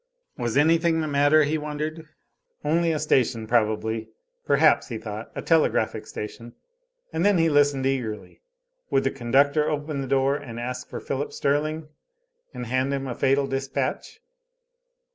Was anything the matter, he wondered. Only a station probably. Perhaps, he thought, a telegraphic station. And then he listened eagerly. Would the conductor open the door and ask for Philip Sterling, and hand him a fatal dispatch?